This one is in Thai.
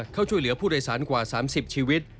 เข้าช่วยเหลือผู้โดยสารกว่า๓๐ชีวิต